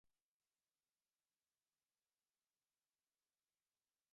Para protegerse se refugia dentro de conchas vacías de moluscos.